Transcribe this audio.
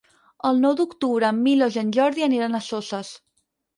El nou d'octubre en Milos i en Jordi aniran a Soses.